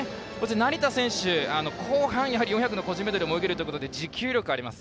成田選手、後半４００の個人メドレーも泳げるので持久力があります。